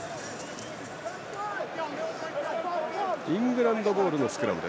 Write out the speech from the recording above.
イングランドボールのスクラム。